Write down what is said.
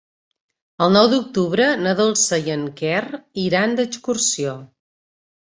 El nou d'octubre na Dolça i en Quer iran d'excursió.